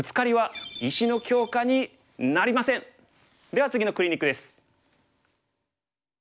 では次のクリニックです。